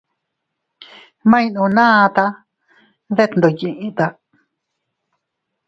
Ma iynunata detndoʼo yiʼita.